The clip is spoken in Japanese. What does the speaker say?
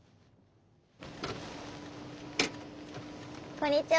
こんにちは。